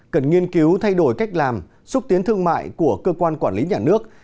cần nghiên cứu thay đổi cách làm xúc tiến thương mại của cơ quan quản lý nhà nước